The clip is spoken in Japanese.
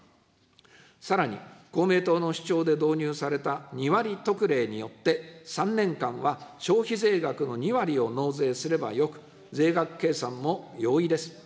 さらに公明党の主張で導入された２割特例によって、３年間は消費税額の２割を納税すればよく、税額計算も容易です。